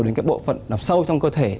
đến bộ phận sâu trong cơ thể